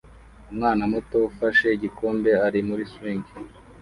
Umwana muto ufashe igikombe ari muri swing